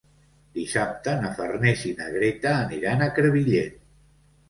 Dissabte na Farners i na Greta aniran a Crevillent.